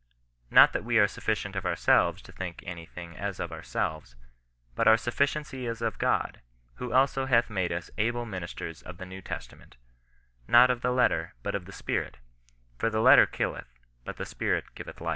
Not that we are sufiicient of ourselves to think any thing as of ourselves ; but our sufficiency is of God ; who also hath made us able ministers of the New Testament ; not of the letter, but of the spkit : for the letter killeth, but the spirit givetb.